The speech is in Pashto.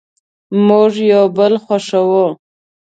مونږ یو بل خوښوو